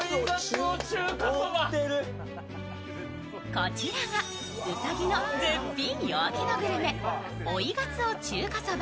こちらがうさぎの絶品夜明けのグルメ、追い鰹中華そば。